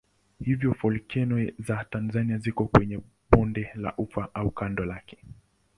Hivyo volkeno za Tanzania ziko kwenye bonde la Ufa au kando lake.